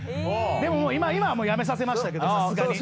でももう今はやめさせましたけどさすがに。